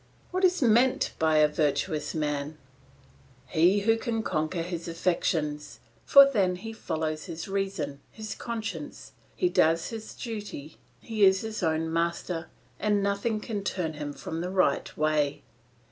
"What is meant by a virtuous man? He who can conquer his affections; for then he follows his reason, his conscience; he does his duty; he is his own master and nothing can turn him from the right way.